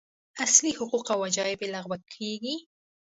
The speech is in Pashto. اصلي حقوق او وجایب لغوه کېږي.